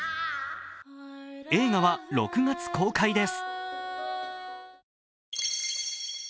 映画は６月公開です。